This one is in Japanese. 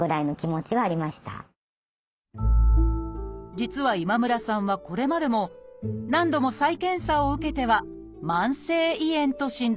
実は今村さんはこれまでも何度も再検査を受けては「慢性胃炎」と診断されていました